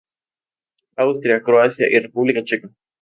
Austria, Croacia y República Checa